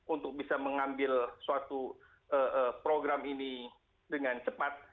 untuk bisa mengambil suatu program ini dengan cepat